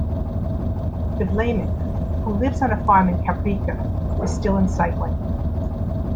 De Vlaeminck, who lives on a farm in Kaprijke, is still in cycling.